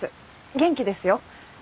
元気ですよ。